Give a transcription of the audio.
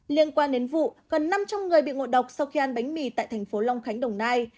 liên quan đến vụ gần năm trăm linh người bị ngồi độc sau khi ăn bánh mì tại tp hcm đồng nai